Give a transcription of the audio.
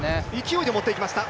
勢いで持ってきました、